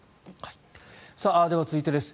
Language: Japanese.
では、続いてです。